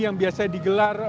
yang biasanya digelar